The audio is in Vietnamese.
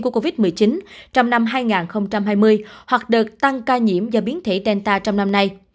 của covid một mươi chín trong năm hai nghìn hai mươi hoặc đợt tăng ca nhiễm do biến thể delta trong năm nay